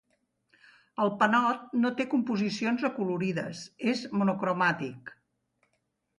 El panot no té composicions acolorides, és monocromàtic.